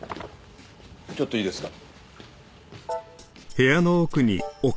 ちょっといいですか？